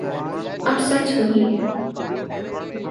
اب سچ وہی ہے